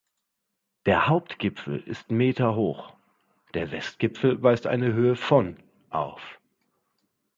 Der "Hauptgipfel" ist Meter hoch, der "Westgipfel" weist eine Höhe von auf.